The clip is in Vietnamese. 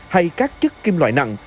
hay các chất kim loại nặng